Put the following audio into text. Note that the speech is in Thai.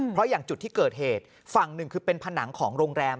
เพราะอย่างจุดที่เกิดเหตุฝั่งหนึ่งคือเป็นผนังของโรงแรม